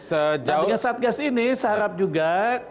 sejauh satgas ini seharap juga